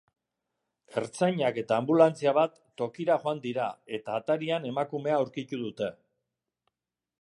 Ertzainak eta anbulantzia bat tokira joan dira eta atarian emakumea aurkitu dute.